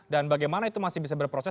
dan bagaimana itu masih bisa berproses